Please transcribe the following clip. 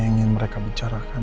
yang ingin mereka bicarakan